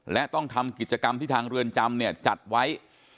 และต้องทำกิจกรรมที่ทางเรือนจำเนี่ยจัดไว้